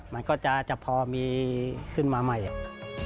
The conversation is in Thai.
มันก็จะพอมีขึ้นมาใหม่